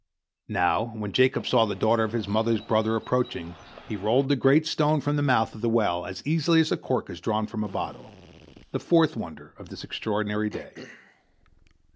Now, when Jacob saw the daughter of his mother's brother approaching, he rolled the great stone from the mouth of the well as easily as a cork is drawn from a bottle—the fourth wonder of this extraordinary day.